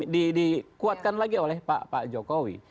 dikuatkan lagi oleh pak jokowi